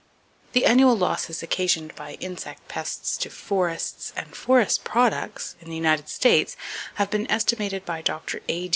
—"The annual losses occasioned by insect pests to forests and forest products (in the United States) have been estimated by Dr. A.